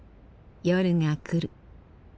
夜が来る。